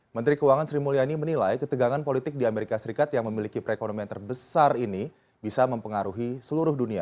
menteri keuangan sri mulyani menilai ketegangan politik di amerika serikat yang memiliki perekonomian terbesar ini bisa mempengaruhi seluruh dunia